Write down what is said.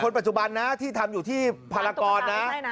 ปัจจุบันนะที่ทำอยู่ที่ภารกรนะ